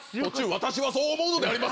私はそう思うのであります